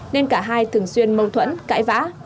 nên cả hai thường xuyên mâu thuẫn cãi vã